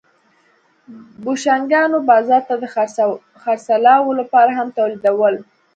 بوشونګانو بازار ته د خرڅلاو لپاره هم تولیدول